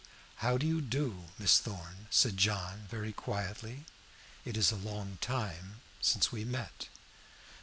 "How do you do, Miss Thorn?" John said, very quietly. "It is a long time since we met."